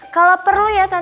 kalo perlu ya tante